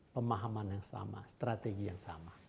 pemahaman yang sama strategi yang sama